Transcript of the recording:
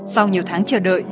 sau nhiều tháng chờ đợi